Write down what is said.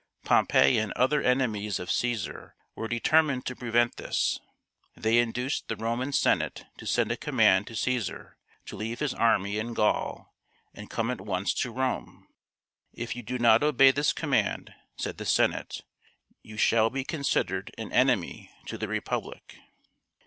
Pompey and other enemies of Caesar were determined to prevent this. They induced the Roman Senate to send a command to Caesar to leave his army in Gaul and come at once to Rome. " If you do not obey this command," said the Senate, "you shall be considered an enemy to the republic."